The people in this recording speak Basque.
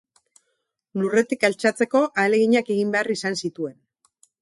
Lurretik altxatzeko ahaleginak egin behar izan zituen.